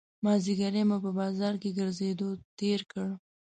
مازیګری مو په بازار کې ګرځېدو تېر کړ.